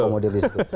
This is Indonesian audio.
terakomodir di situ